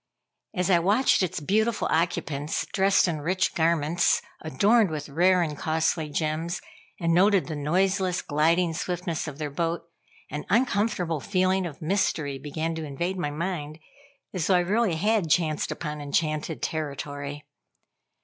As I watched its beautiful occupants dressed in rich garments, adorned with rare and costly gems, and noted the noiseless, gliding swiftness of their boat, an uncomfortable feeling of mystery began to invade my mind, as though I really had chanced upon enchanted territory.